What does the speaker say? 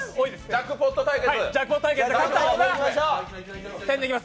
ジャックポット対決。